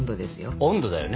温度だよね。